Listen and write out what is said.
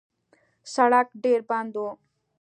سړک ډېر بند و.